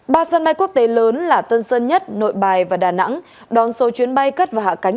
ba sân bay quốc tế lớn là tân sơn nhất nội bài và đà nẵng đón số chuyến bay cất và hạ cánh